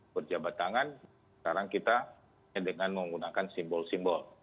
berjabat tangan sekarang kita dengan menggunakan simbol simbol